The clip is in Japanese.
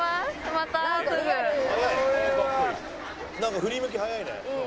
なんか振り向き早いね。